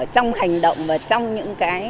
trong hành động và trong những cái